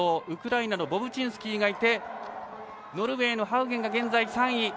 ウクライナのボブチンスキーノルウェーのハウゲンが現在３位。